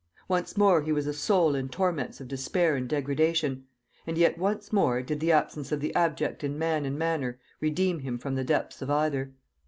Once more he was a soul in torments of despair and degradation; and yet once more did the absence of the abject in man and manner redeem him from the depths of either.